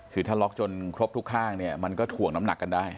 คือถ้าล็อกจนครบทุกข้างเนี่ยมันก็ถ่วงน้ำหนักกันได้